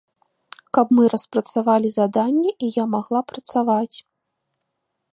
Каб мы распрацавалі заданне і я магла працаваць.